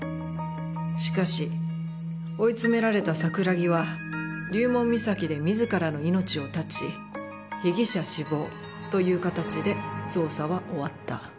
「しかし追い詰められた桜木は龍門岬で自らの命を絶ち被疑者死亡という形で捜査は終わった」